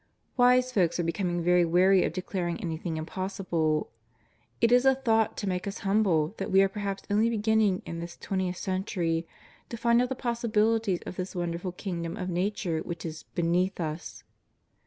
Wise folks are becoming very wary of declaring any thing impossible. It is a thought to make us humble that we are perhaps only beginning in this twentieth century to find out the possibilities of this wonderful kingdom of Nature which is beneath us.